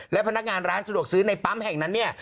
และพนักงานร้านสะดวกซื้อในปั๊มแห่งนั้นเนี่ย